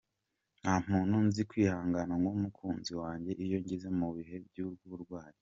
Nta muntu nzi wihangana nk’umukunzi wanjye iyo ngeze mu bihe by’uburwayi.